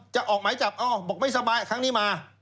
ออกหมายจับบอกไม่สบายครั้งนี้มา